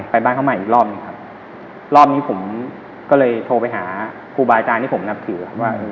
บ้านเขาใหม่อีกรอบหนึ่งครับรอบนี้ผมก็เลยโทรไปหาครูบาอาจารย์ที่ผมนับถือครับว่า